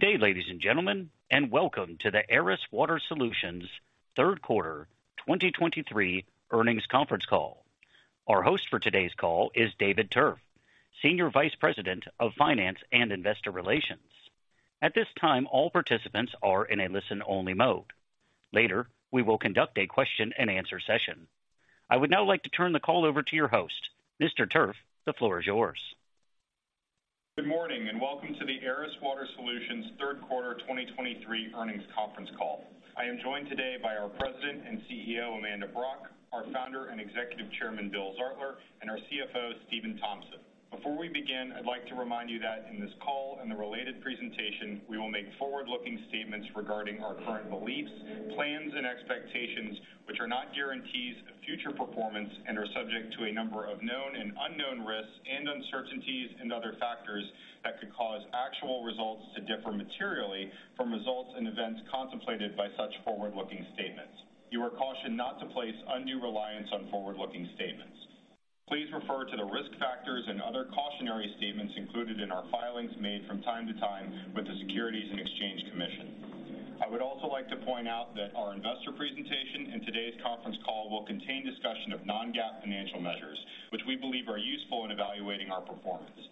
Good day, ladies and gentlemen, and welcome to the Aris Water Solutions third quarter 2023 earnings conference call. Our host for today's call is David Tuerff, Senior Vice President of Finance and Investor Relations. At this time, all participants are in a listen-only mode. Later, we will conduct a question-and-answer session. I would now like to turn the call over to your host. Mr. Tuerff, the floor is yours. Good morning, and welcome to the Aris Water Solutions third quarter 2023 earnings conference call. I am joined today by our President and CEO, Amanda Brock, our Founder and Executive Chairman, Bill Zartler, and our CFO, Stephan Tompsett. Before we begin, I'd like to remind you that in this call and the related presentation, we will make forward-looking statements regarding our current beliefs, plans and expectations, which are not guarantees of future performance and are subject to a number of known and unknown risks and uncertainties and other factors that could cause actual results to differ materially from results and events contemplated by such forward-looking statements. You are cautioned not to place undue reliance on forward-looking statements. Please refer to the risk factors and other cautionary statements included in our filings made from time to time with the Securities and Exchange Commission. I would also like to point out that our investor presentation and today's conference call will contain discussion of non-GAAP financial measures, which we believe are useful in evaluating our performance.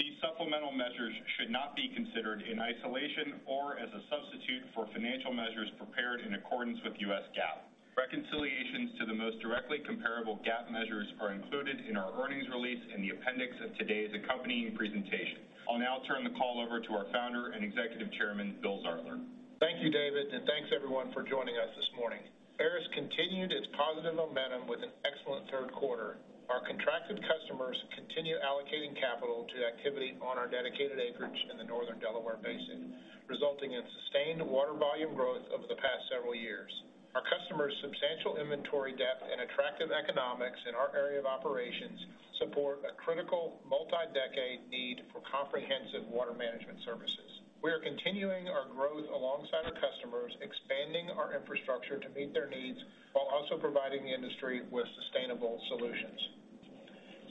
These supplemental measures should not be considered in isolation or as a substitute for financial measures prepared in accordance with U.S. GAAP. Reconciliations to the most directly comparable GAAP measures are included in our earnings release in the appendix of today's accompanying presentation. I'll now turn the call over to our founder and executive chairman, Bill Zartler. Thank you, David, and thanks everyone for joining us this morning. Aris continued its positive momentum with an excellent third quarter. Our contracted customers continue allocating capital to activity on our dedicated acreage in the Northern Delaware Basin, resulting in sustained water volume growth over the past several years. Our customers' substantial inventory depth and attractive economics in our area of operations support a critical, multi-decade need for comprehensive water management services. We are continuing our growth alongside our customers, expanding our infrastructure to meet their needs, while also providing the industry with sustainable solutions.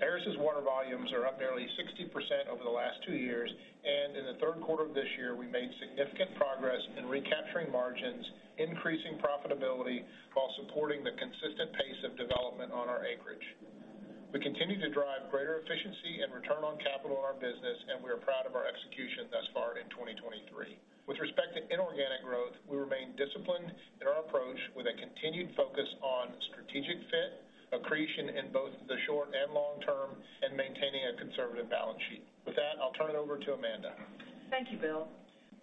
Aris' water volumes are up nearly 60% over the last two years, and in the third quarter of this year, we made significant progress in recapturing margins, increasing profitability, while supporting the consistent pace of development on our acreage. We continue to drive greater efficiency and return on capital in our business, and we are proud of our execution thus far in 2023. With respect to inorganic growth, we remain disciplined in our approach with a continued focus on strategic fit, accretion in both the short and long term, and maintaining a conservative balance sheet. With that, I'll turn it over to Amanda. Thank you, Bill.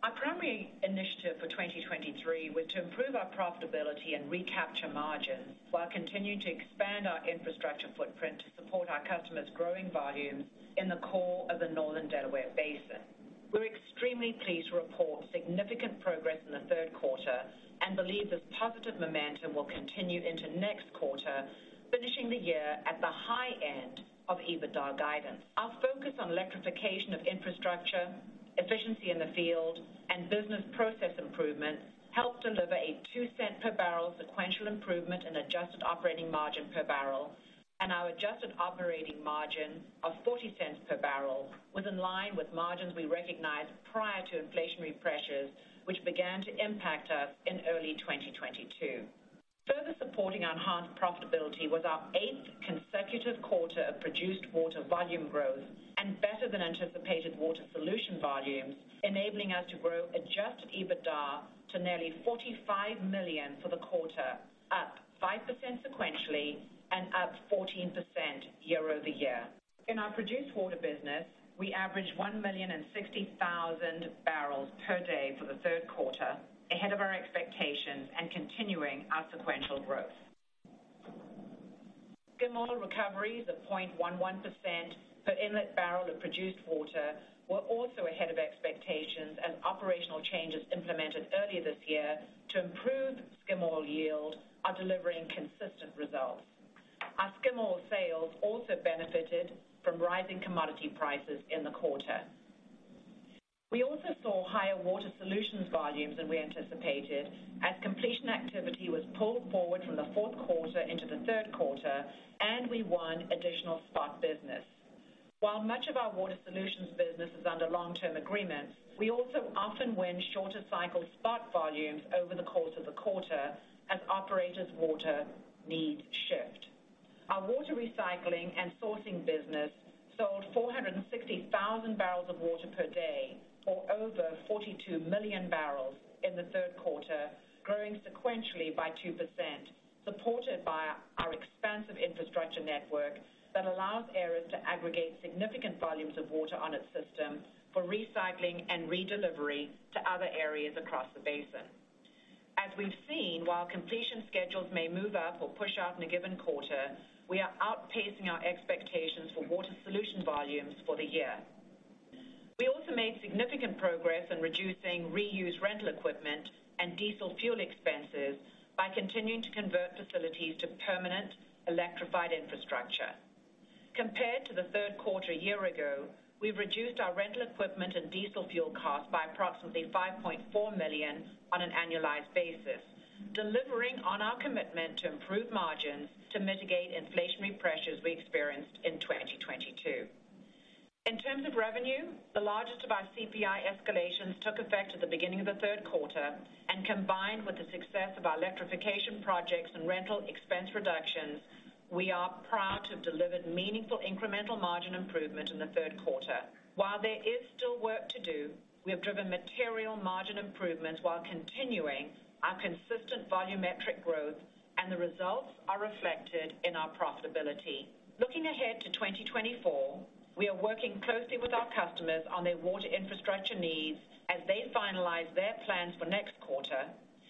Our primary initiative for 2023 was to improve our profitability and recapture margins, while continuing to expand our infrastructure footprint to support our customers' growing volumes in the core of the Northern Delaware Basin. We're extremely pleased to report significant progress in the third quarter, and believe this positive momentum will continue into next quarter, finishing the year at the high end of EBITDA guidance. Our focus on electrification of infrastructure, efficiency in the field, and business process improvements helped deliver a $0.02 per barrel sequential improvement in adjusted operating margin per barrel, and our adjusted operating margin of $0.40 per barrel was in line with margins we recognized prior to inflationary pressures, which began to impact us in early 2022. Further supporting enhanced profitability was our eighth consecutive quarter of produced water volume growth and better than anticipated water solution volumes, enabling us to grow Adjusted EBITDA to nearly $45 million for the quarter, up 5% sequentially and up 14% year-over-year. In our produced water business, we averaged 1,060,000 barrels per day for the third quarter, ahead of our expectations and continuing our sequential growth. Skim oil recoveries of 0.11% per inlet barrel of produced water were also ahead of expectations, and operational changes implemented earlier this year to improve skim oil yield are delivering consistent results. Our skim oil sales also benefited from rising commodity prices in the quarter. We also saw higher Water Solutions volumes than we anticipated, as completion activity was pulled forward from the fourth quarter into the third quarter, and we won additional spot business. While much of our Water Solutions business is under long-term agreements, we also often win shorter cycle spot volumes over the course of the quarter as operators' water needs shift. Our water recycling and sourcing business sold 460,000 barrels of water per day, or over 42 million barrels in the third quarter, growing sequentially by 2%, supported by our expansive infrastructure network that allows Aris to aggregate significant volumes of water on its system for recycling and redelivery to other areas across the basin. As we've seen, while completion schedules may move up or push out in a given quarter, we are outpacing our expectations for water solution volumes for the year. We also made significant progress in reducing reuse rental equipment and diesel fuel expenses by continuing to convert facilities to permanent electrified infrastructure. Compared to the third quarter a year ago, we've reduced our rental equipment and diesel fuel costs by approximately $5.4 million on an annualized basis, delivering on our commitment to improve margins to mitigate inflationary pressures we experienced in 2022. In terms of revenue, the largest of our CPI escalations took effect at the beginning of the third quarter, and combined with the success of our electrification projects and rental expense reductions, we are proud to have delivered meaningful incremental margin improvement in the third quarter. While there is still work to do, we have driven material margin improvements while continuing our consistent volumetric growth, and the results are reflected in our profitability. Looking ahead to 2024, we are working closely with our customers on their water infrastructure needs as they finalize their plans for next quarter,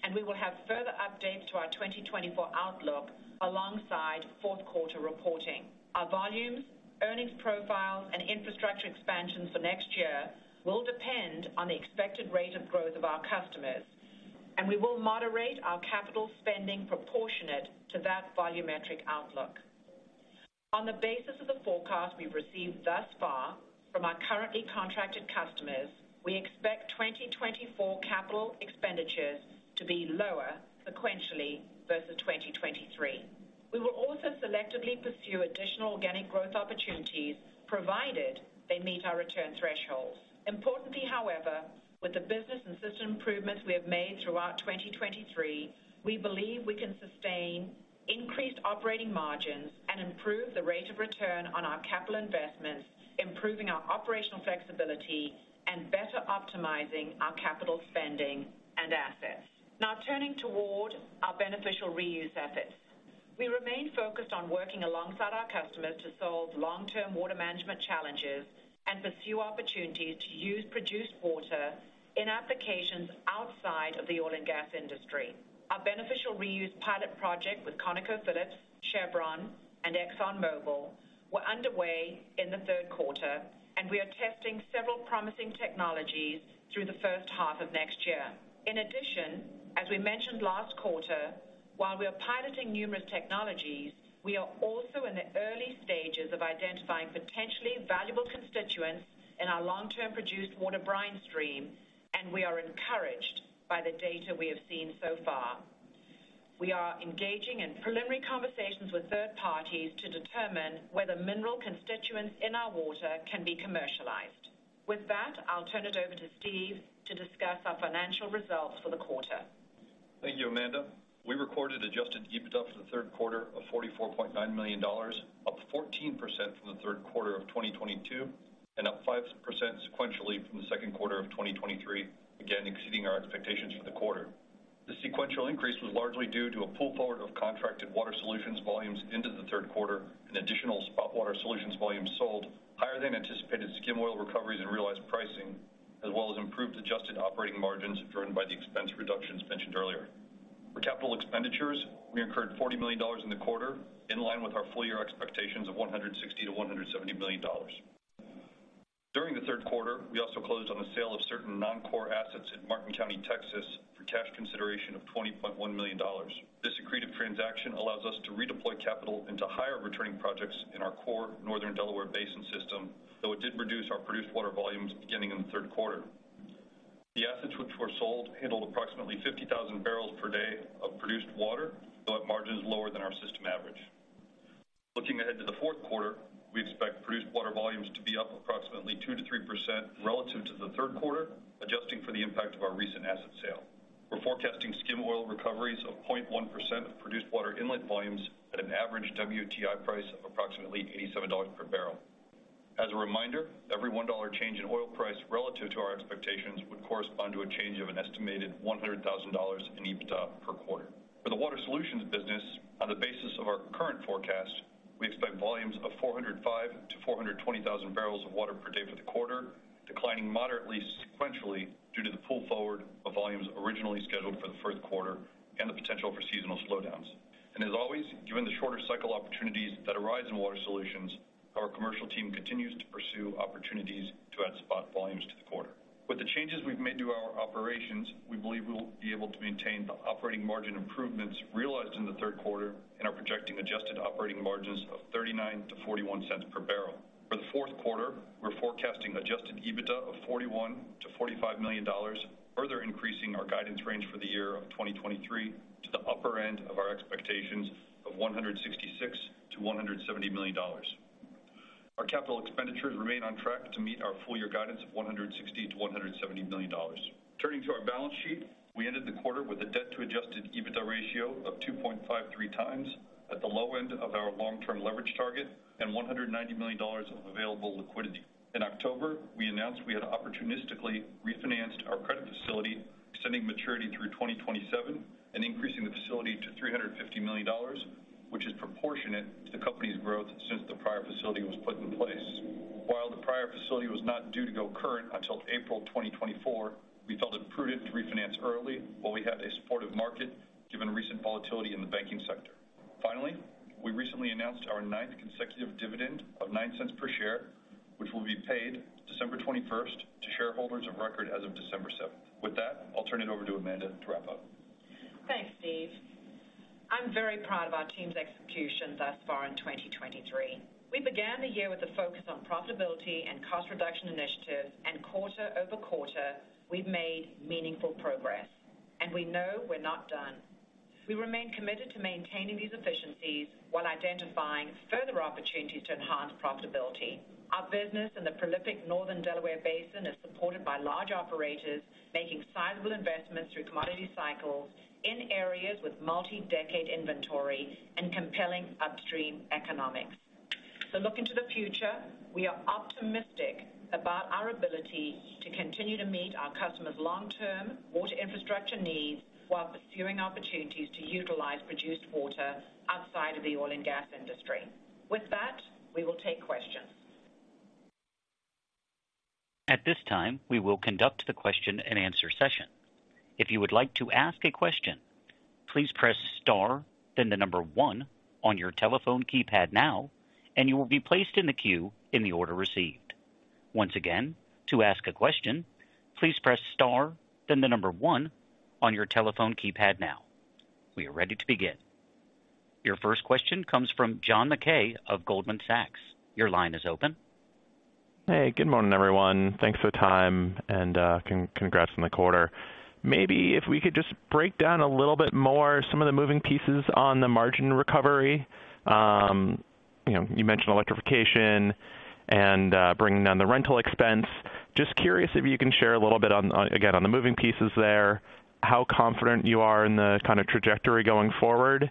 and we will have further updates to our 2024 outlook alongside fourth quarter reporting. Our volumes, earnings profiles, and infrastructure expansion for next year will depend on the expected rate of growth of our customers, and we will moderate our capital spending proportionate to that volumetric outlook. On the basis of the forecast we've received thus far from our currently contracted customers, we expect 2024 capital expenditures to be lower sequentially versus 2023. We will also selectively pursue additional organic growth opportunities, provided they meet our return thresholds. Importantly, however, with the business and system improvements we have made throughout 2023, we believe we can sustain increased operating margins and improve the rate of return on our capital investments, improving our operational flexibility and better optimizing our capital spending and assets. Now turning toward our beneficial reuse assets. We remain focused on working alongside our customers to solve long-term water management challenges and pursue opportunities to use produced water in applications outside of the oil and gas industry. Our beneficial reuse pilot project with ConocoPhillips, Chevron, and ExxonMobil were underway in the third quarter, and we are testing several promising technologies through the first half of next year. In addition, as we mentioned last quarter, while we are piloting numerous technologies, we are also in the early stages of identifying potentially valuable constituents in our long-term Produced Water Brine Stream, and we are encouraged by the data we have seen so far. We are engaging in preliminary conversations with third parties to determine whether mineral constituents in our water can be commercialized. With that, I'll turn it over to Steve to discuss our financial results for the quarter. Thank you, Amanda. We recorded Adjusted EBITDA for the third quarter of $44.9 million, up 14% from the third quarter of 2022, and up 5% sequentially from the second quarter of 2023, again, exceeding our expectations for the quarter. The sequential increase was largely due to a pull forward of contracted Water Solutions volumes into the third quarter and additional spot Water Solutions volumes sold, higher than anticipated skim oil recoveries and realized pricing, as well as improved adjusted operating margins driven by the expense reductions mentioned earlier. For capital expenditures, we incurred $40 million in the quarter, in line with our full year expectations of $160 million-$170 million. During the third quarter, we also closed on the sale of certain non-core assets in Martin County, Texas, for cash consideration of $20.1 million. This accretive transaction allows us to redeploy capital into higher returning projects in our core Northern Delaware Basin system, though it did reduce our produced water volumes beginning in the third quarter. The assets which were sold handled approximately 50,000 barrels per day of produced water, though at margins lower than our system average. Looking ahead to the fourth quarter, we expect produced water volumes to be up approximately 2%-3% relative to the third quarter, adjusting for the impact of our recent asset sale. We're forecasting skim oil recoveries of 0.1% of produced water inlet volumes at an average WTI price of approximately $87 per barrel. As a reminder, every $1 change in oil price relative to our expectations would correspond to a change of an estimated $100,000 in EBITDA per quarter. For the Water Solutions business, on the basis of our current forecast, we expect volumes of 405,000-420,000 barrels of water per day for the quarter, declining moderately, sequentially due to the pull forward of volumes originally scheduled for the first quarter and the potential for seasonal slowdowns. As always, given the shorter cycle opportunities that arise in Water Solutions, our commercial team continues to pursue opportunities to add spot volumes to the quarter. With the changes we've made to our operations, we believe we will be able to maintain the operating margin improvements realized in the third quarter and are projecting adjusted operating margins of $0.39-$0.41 per barrel. For the fourth quarter, we're forecasting adjusted EBITDA of $41 million-$45 million, further increasing our guidance range for the year of 2023 to the upper end of our expectations of $166 million-$170 million. Our capital expenditures remain on track to meet our full year guidance of $160 million-$170 million. Turning to our balance sheet. We ended the quarter with a debt to adjusted EBITDA ratio of 2.53 times at the low end of our long-term leverage target and $190 million of available liquidity. In October, we announced we had opportunistically refinanced our credit facility, extending maturity through 2027 and increasing the facility to $350 million, which is proportionate to the company's growth since the prior facility was put in place. While the prior facility was not due to go current until April 2024, we felt it prudent to refinance early while we had a supportive market, given recent volatility in the banking sector. Finally, we recently announced our ninth consecutive dividend of $0.09 per share, which will be paid December 21st, to shareholders of record as of December 7. With that, I'll turn it over to Amanda to wrap up. Thanks, Steve. I'm very proud of our team's execution thus far in 2023. We began the year with a focus on profitability and cost reduction initiatives, and quarter-over-quarter, we've made meaningful progress, and we know we're not done. We remain committed to maintaining these efficiencies while identifying further opportunities to enhance profitability. Our business in the prolific Northern Delaware Basin is supported by large operators making sizable investments through commodity cycles in areas with multi-decade inventory and compelling upstream economics. So looking to the future, we are optimistic about our ability to continue to meet our customers' long-term water infrastructure needs while pursuing opportunities to utilize produced water outside of the oil and gas industry. With that, we will take questions. At this time, we will conduct the question-and-answer session. If you would like to ask a question, please press star, then the number one on your telephone keypad now, and you will be placed in the queue in the order received. Once again, to ask a question, please press star, then the number one on your telephone keypad now. We are ready to begin. Your first question comes from John Mackay of Goldman Sachs. Your line is open. Hey, good morning, everyone. Thanks for the time and congrats on the quarter. Maybe if we could just break down a little bit more some of the moving pieces on the margin recovery. You know, you mentioned electrification and bringing down the rental expense. Just curious if you can share a little bit on again, on the moving pieces there, how confident you are in the kind of trajectory going forward,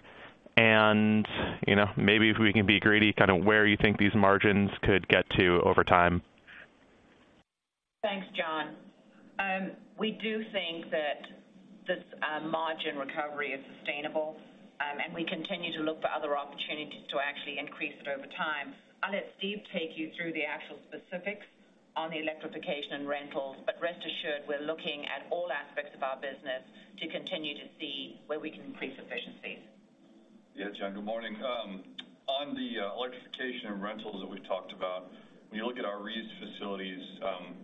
and you know, maybe if we can be greedy, kind of where you think these margins could get to over time. Thanks, John. We do think that this margin recovery is sustainable, and we continue to look for other opportunities to actually increase it over time. I'll let Steve take you through the actual specifics on the electrification and rentals, but rest assured, we're looking at all aspects of our business to continue to see where we can increase efficiencies. Yeah, John, good morning. On the electrification and rentals that we've talked about, when you look at our reuse facilities,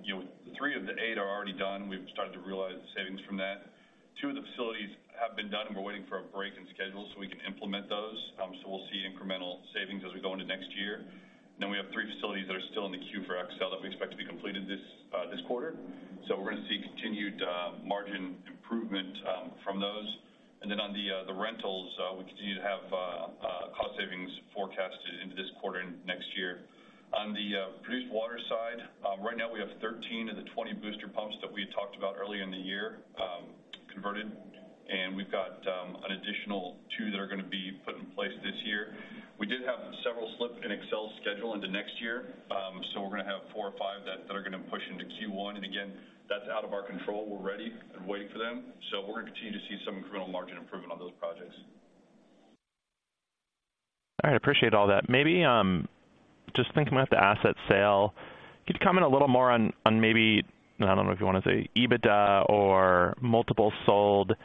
you know, 3 of the 8 are already done. We've started to realize savings from that. Two of the facilities have been done, and we're waiting for a break in schedule so we can implement those. So we'll see incremental savings as we go into next year. Then we have three facilities that are still in the queue for Xcel that we expect to be completed this quarter. So we're going to see continued margin improvement from those. And then on the rentals, we continue to have cost savings forecasted into this quarter and next year. On the produced water side, right now we have 13 of the 20 booster pumps that we had talked about earlier in the year, converted, and we've got an additional two that are going to be put in place this year. We did have several slip in Xcel's schedule into next year, so we're going to have four or five that are going to push into Q1, and again, that's out of our control. We're ready and waiting for them, so we're going to continue to see some incremental margin improvement on those projects. All right. I appreciate all that. Maybe, just thinking about the asset sale, could you comment a little more on, on maybe, I don't know if you want to say, EBITDA or multiple sold?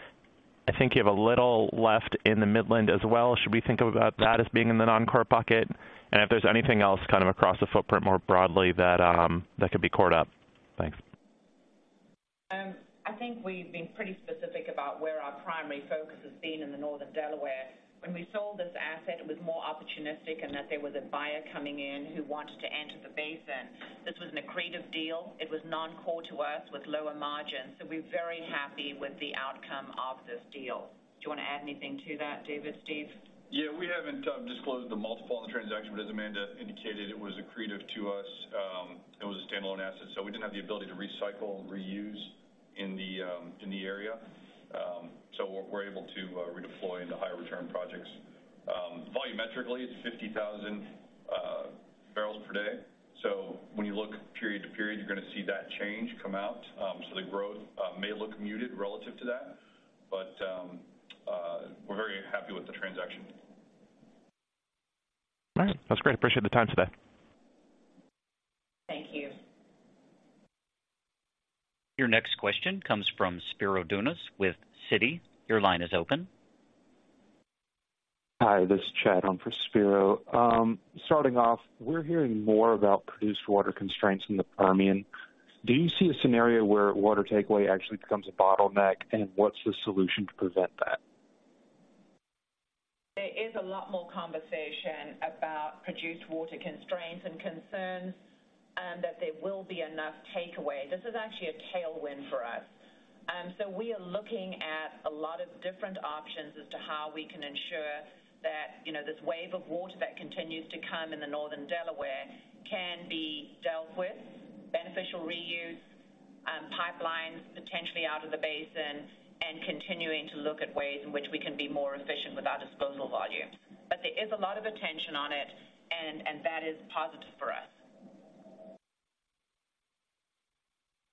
I think you have a little left in the Midland as well. Should we think about that as being in the non-core bucket? And if there's anything else kind of across the footprint more broadly that, that could be caught up? Thanks. I think we've been pretty specific about where our primary focus has been in the Northern Delaware. When we sold this asset, it was more opportunistic and that there was a buyer coming in who wanted to enter the basin. This was an accretive deal. It was non-core to us with lower margins, so we're very happy with the outcome of this deal. Do you want to add anything to that, David, Steve? Yeah, we haven't disclosed the multiple on the transaction, but as Amanda indicated, it was accretive to us. It was a standalone asset, so we didn't have the ability to recycle, reuse in the, in the area. So we're, we're able to redeploy into higher return projects. Volumetrically, it's 50,000 barrels per day, so when you look period to period, you're going to see that change come out. So the growth may look muted relative to that, but, we're very happy with the transaction. All right. That's great. Appreciate the time today. Thank you. Your next question comes from Spiro Dounis with Citi. Your line is open. Hi, this is Chad. I'm for Spiro. Starting off, we're hearing more about produced water constraints in the Permian. Do you see a scenario where water takeaway actually becomes a bottleneck, and what's the solution to prevent that? There is a lot more conversation about produced water constraints and concerns, and that there will be enough takeaway. This is actually a tailwind for us. So we are looking at a lot of different options as to how we can ensure that, you know, this wave of water that continues to come in the Northern Delaware can be dealt with. Beneficial Reuse, pipelines potentially out of the basin, and continuing to look at ways in which we can be more efficient with our disposal volume. But there is a lot of attention on it, and that is positive for us.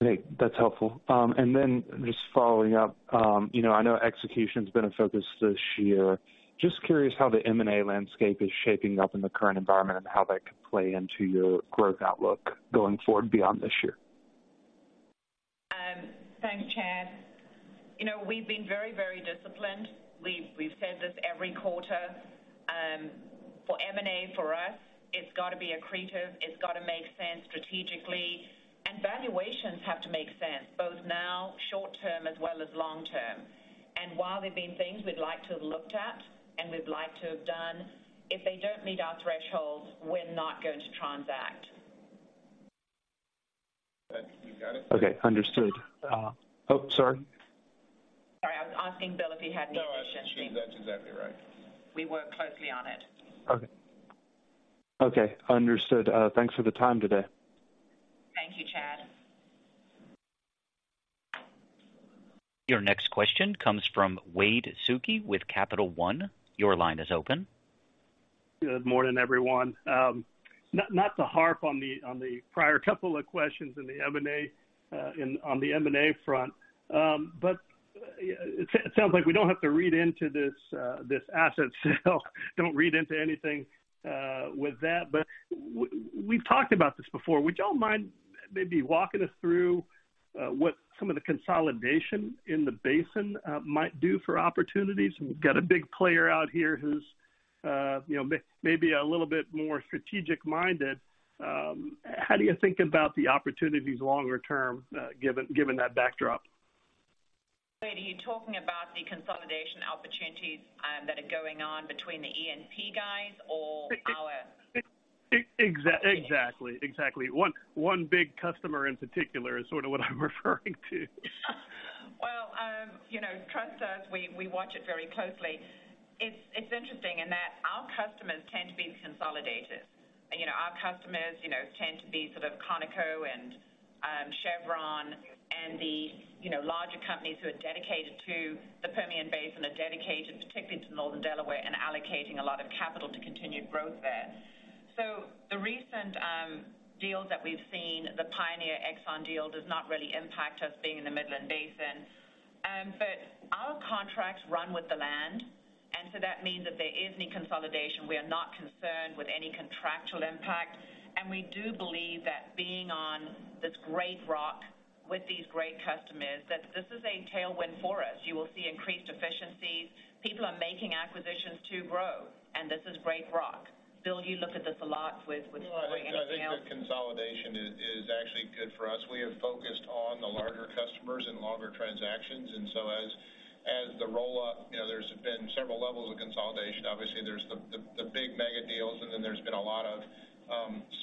Great. That's helpful. And then just following up, you know, I know execution's been a focus this year. Just curious how the M&A landscape is shaping up in the current environment, and how that could play into your growth outlook going forward beyond this year. Thanks, Chad. You know, we've been very, very disciplined. We've said this every quarter. It's got to be accretive, it's got to make sense strategically, and valuations have to make sense, both now, short term as well as long term. And while there have been things we'd like to have looked at and we'd like to have done, if they don't meet our thresholds, we're not going to transact. You got it? Okay, understood. Oh, sorry. Sorry, I was asking Bill if he had anything. No, that's exactly right. We work closely on it. Okay. Okay, understood. Thanks for the time today. Thank you, Chad. Your next question comes from Wade Suki with Capital One. Your line is open. Good morning, everyone. Not to harp on the prior couple of questions in the M&A on the M&A front, but it sounds like we don't have to read into this this asset sale. Don't read into anything with that. But we've talked about this before. Would y'all mind maybe walking us through what some of the consolidation in the basin might do for opportunities? We've got a big player out here who's, you know, maybe a little bit more strategic-minded. How do you think about the opportunities longer term given that backdrop? Wade, are you talking about the consolidation opportunities, that are going on between the E&P guys or our? Exactly, exactly. One big customer in particular is sort of what I'm referring to. Well, you know, trust us, we watch it very closely. It's interesting in that our customers tend to be consolidated. You know, our customers, you know, tend to be sort of Conoco and, Chevron and the, you know, larger companies who are dedicated to the Permian Basin and are dedicated, particularly to Northern Delaware, and allocating a lot of capital to continued growth there. So the recent deals that we've seen, the Pioneer Exxon deal, does not really impact us being in the Midland Basin. But our contracts run with the land, and so that means that if there is any consolidation, we are not concerned with any contractual impact. And we do believe that being on this great rock with these great customers, that this is a tailwind for us. You will see increased efficiencies. People are making acquisitions to grow, and this is great rock. Bill, you look at this a lot with. Well, I think the consolidation is actually good for us. We have focused on the larger customers and longer transactions, and so as the roll-up, you know, there's been several levels of consolidation. Obviously, there's the big mega deals, and then there's been a lot of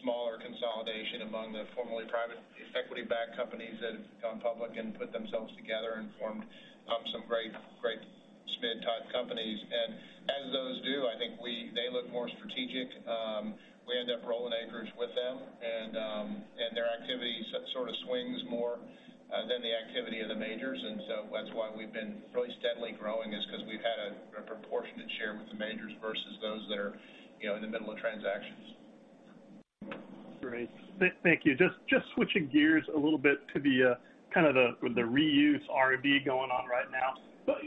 smaller consolidation among the formerly private equity-backed companies that have gone public and put themselves together and formed up some great, great mid-type companies. And as those do, I think they look more strategic. We end up rolling acreage with them, and their activity sort of swings more than the activity of the majors. And so that's why we've been really steadily growing, is because we've had a proportionate share with the majors versus those that are, you know, in the middle of transactions. Great. Thank you. Just switching gears a little bit to the kind of the reuse R&D going on right now.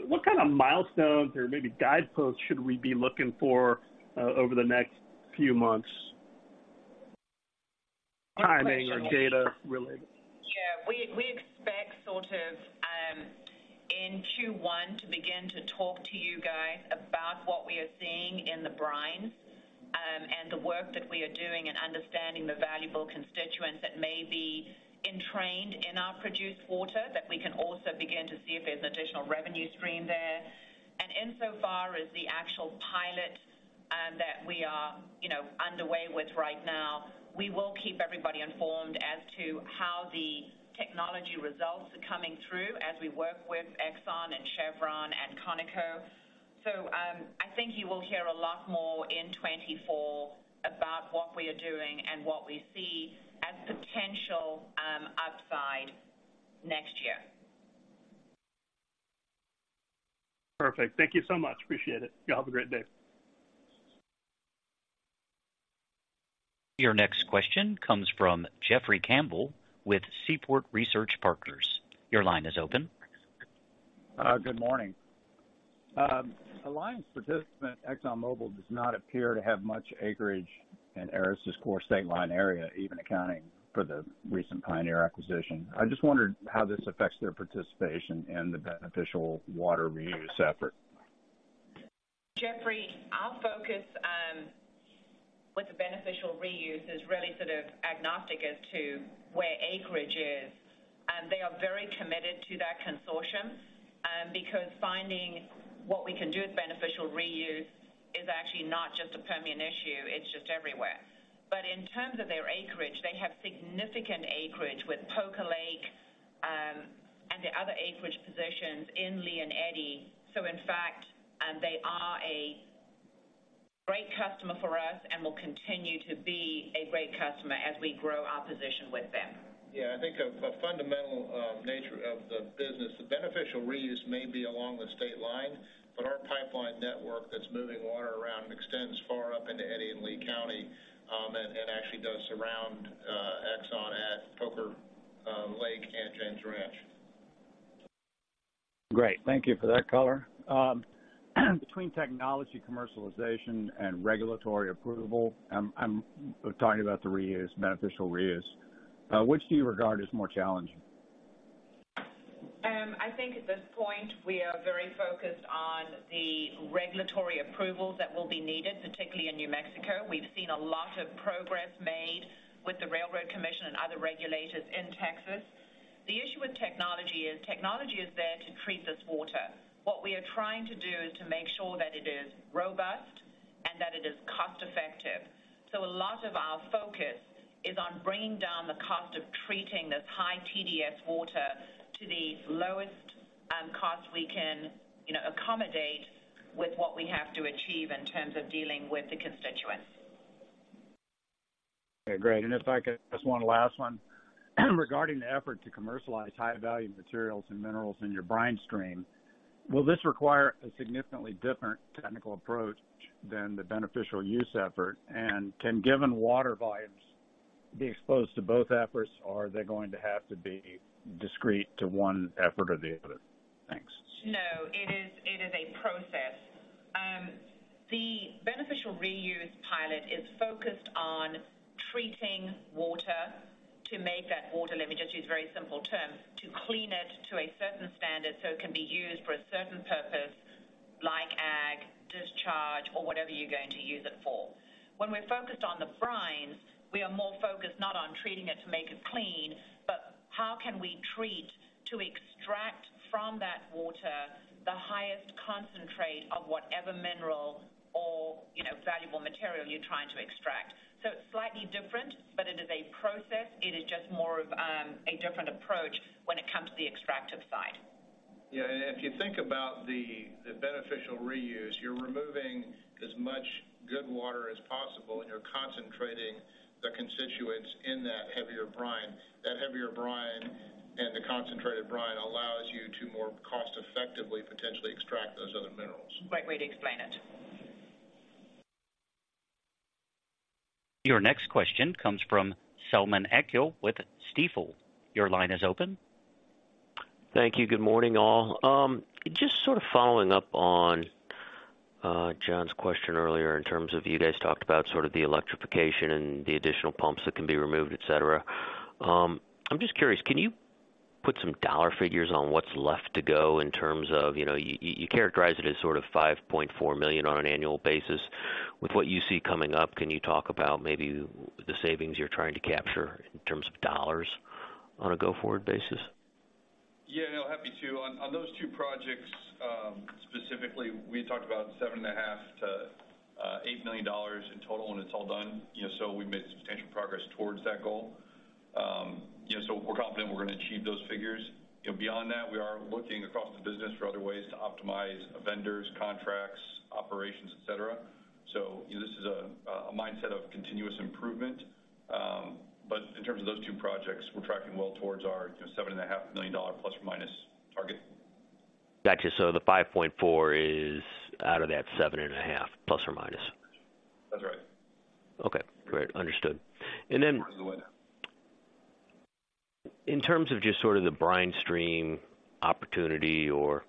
What kind of milestones or maybe guideposts should we be looking for over the next few months? Timing or data related? Yeah, we expect sort of in Q1 to begin to talk to you guys about what we are seeing in the brines, and the work that we are doing in understanding the valuable constituents that may be entrained in our produced water, that we can also begin to see if there's an additional revenue stream there. And insofar as the actual pilot, that we are, you know, underway with right now, we will keep everybody informed as to how the technology results are coming through as we work with Exxon and Chevron and Conoco. So, I think you will hear a lot more in 2024 about what we are doing and what we see as potential upside next year. Perfect. Thank you so much. Appreciate it. Y'all have a great day. Your next question comes from Jeffrey Campbell with Seaport Research Partners. Your line is open. Good morning. Alliance participant, ExxonMobil, does not appear to have much acreage in Aris' core state line area, even accounting for the recent Pioneer acquisition. I just wondered how this affects their participation in the beneficial water reuse effort. Jeffrey, our focus, with the beneficial reuse is really sort of agnostic as to where acreage is, and they are very committed to that consortium, because finding what we can do with beneficial reuse is actually not just a Permian issue, it's just everywhere. But in terms of their acreage, they have significant acreage with Poker Lake, and the other acreage positions in Lea and Eddy. So in fact, they are a great customer for us and will continue to be a great customer as we grow our position with them. Yeah, I think a fundamental nature of the business, the Beneficial Reuse may be along the state line, but our pipeline network that's moving water around extends far up into Eddy County and Lea County, and actually does surround Exxon at Poker Lake and James Ranch. Great. Thank you for that color. Between technology commercialization and regulatory approval, I'm talking about the reuse, beneficial reuse, which do you regard as more challenging? I think at this point, we are very focused on the regulatory approvals that will be needed, particularly in New Mexico. We've seen a lot of progress made with the Railroad Commission and other regulators in Texas. The issue with technology is, technology is there to treat this water. What we are trying to do is to make sure that it is robust and that it is cost-effective. So a lot of our focus is on bringing down the cost of treating this high TDS water to the lowest, cost we can, you know, accommodate with what we have to achieve in terms of dealing with the constituents. Okay, great. And if I could, just one last one. Regarding the effort to commercialize high-value materials and minerals in your brine stream, will this require a significantly different technical approach than the beneficial use effort? And can given water volumes be exposed to both efforts, or are they going to have to be discrete to one effort or the other? Thanks. No, it is, it is a process. The beneficial reuse pilot is focused on treating water to make that water, let me just use very simple terms, to clean it to a certain standard, so it can be used for a certain purpose, like ag, discharge or whatever you're going to use it for. When we're focused on the brines, we are more focused not on treating it to make it clean, but how can we treat to extract from that water the highest concentrate of whatever mineral or, you know, valuable material you're trying to extract. So it's slightly different, but it is a process. It is just more of, a different approach when it comes to the extractive side. Yeah, and if you think about the beneficial reuse, you're removing as much good water as possible, and you're concentrating the constituents in that heavier brine. That heavier brine and the concentrated brine allows you to more cost effectively, potentially extract those other minerals. Great way to explain it. Your next question comes from Selman Akyol with Stifel. Your line is open. Thank you. Good morning, all. Just sort of following up on John's question earlier in terms of you guys talked about sort of the electrification and the additional pumps that can be removed, et cetera. I'm just curious, can you put some dollar figures on what's left to go in terms of, you know, you characterized it as sort of $5.4 million on an annual basis. With what you see coming up, can you talk about maybe the savings you're trying to capture in terms of dollars on a go-forward basis? Yeah, no, happy to. On, on those two projects, specifically, we talked about $7.5 million-$8 million in total, when it's all done, you know, so we've made some potential progress towards that goal. Yeah, so we're confident we're going to achieve those figures. You know, beyond that, we are looking across the business for other ways to optimize vendors, contracts, operations, et cetera. So this is a mindset of continuous improvement. But in terms of those two projects, we're tracking well towards our, you know, $7.5 million dollar plus or minus target. Got you. So the 5.4 is out of that 7.5 ±? That's right. Okay, great. Understood. And then. That's the way. In terms of just sort of the Brine Stream opportunity or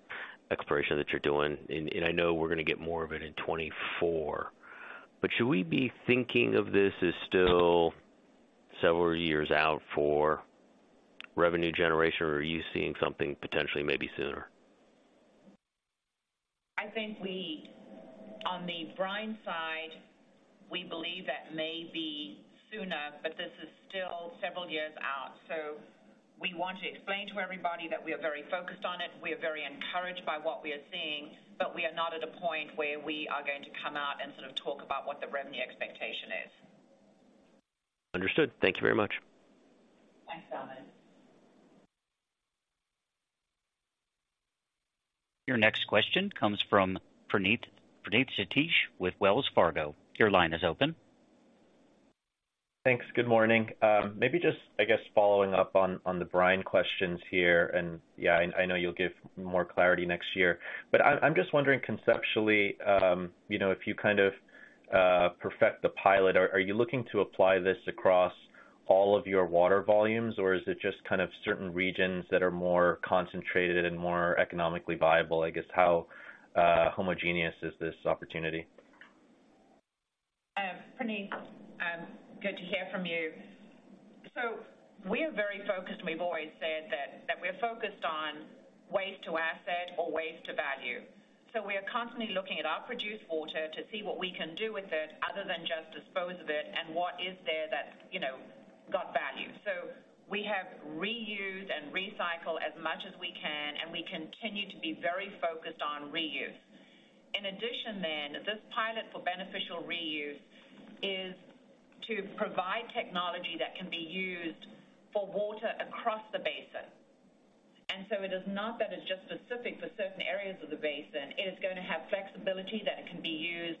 exploration that you're doing, and, and I know we're going to get more of it in 2024, but should we be thinking of this as still several years out for revenue generation, or are you seeing something potentially, maybe sooner? I think we. On the brine side, we believe that may be sooner, but this is still several years out. So we want to explain to everybody that we are very focused on it. We are very encouraged by what we are seeing, but we are not at a point where we are going to come out and sort of talk about what the revenue expectation is. Understood. Thank you very much. Thanks, Selman. Your next question comes from Praneeth, Praneeth Satish with Wells Fargo. Your line is open. Thanks. Good morning. Maybe just, I guess, following up on, on the brine questions here, and yeah, I know you'll give more clarity next year, but I'm, I'm just wondering conceptually, you know, if you kind of perfect the pilot, are, are you looking to apply this across all of your water volumes, or is it just kind of certain regions that are more concentrated and more economically viable? I guess, how homogeneous is this opportunity? Praneeth, good to hear from you. So we are very focused, and we've always said that we're focused on waste to asset or waste to value. So we are constantly looking at our produced water to see what we can do with it other than just dispose of it, and what is there that, you know, got value. So we have reused and recycled as much as we can, and we continue to be very focused on reuse. In addition, then, this pilot for beneficial reuse is to provide technology that can be used for water across the basin. So it is not that it's just specific for certain areas of the basin; it is going to have flexibility that it can be used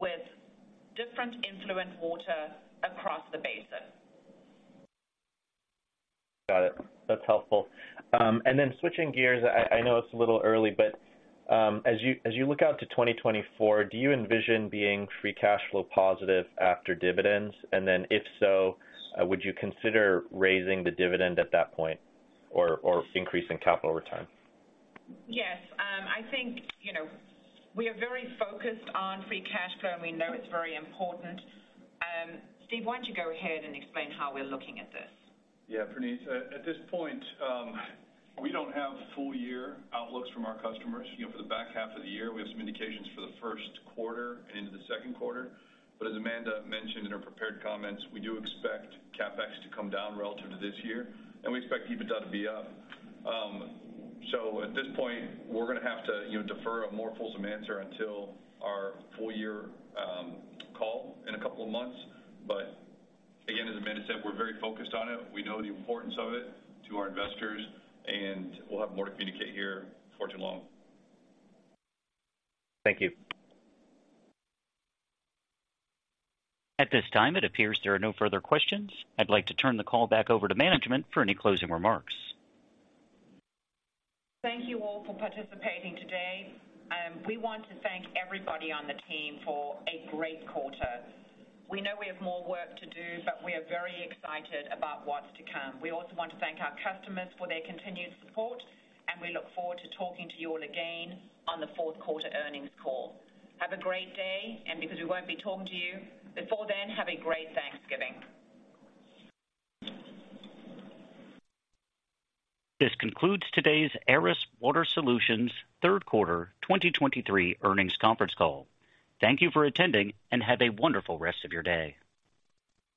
with different influent water across the basin. Got it. That's helpful. And then switching gears, I know it's a little early, but as you look out to 2024, do you envision being free cash flow positive after dividends? And then, if so, would you consider raising the dividend at that point or increasing capital over time? Yes. I think, you know, we are very focused on free cash flow, and we know it's very important. Steve, why don't you go ahead and explain how we're looking at this? Yeah, Praneeth, at this point, we don't have full year outlooks from our customers. You know, for the back half of the year, we have some indications for the first quarter and into the second quarter. But as Amanda mentioned in her prepared comments, we do expect CapEx to come down relative to this year, and we expect EBITDA to be up. So at this point, we're going to have to, you know, defer a more fulsome answer until our full year call in a couple of months. But again, as Amanda said, we're very focused on it. We know the importance of it to our investors, and we'll have more to communicate here before too long. Thank you. At this time, it appears there are no further questions. I'd like to turn the call back over to management for any closing remarks. Thank you all for participating today, and we want to thank everybody on the team for a great quarter. We know we have more work to do, but we are very excited about what's to come. We also want to thank our customers for their continued support, and we look forward to talking to you all again on the fourth quarter earnings call. Have a great day, and because we won't be talking to you before then, have a great Thanksgiving. This concludes today's Aris Water Solutions third quarter 2023 earnings conference call. Thank you for attending, and have a wonderful rest of your day.